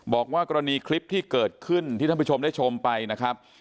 บอกว่ากรณีคลิปที่เกิดขึ้นที่ท่านผู้ชมได้ชมไปนะครับ